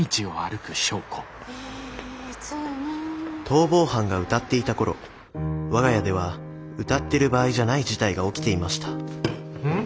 逃亡犯が歌っていた頃我が家では歌ってる場合じゃない事態が起きていましたん？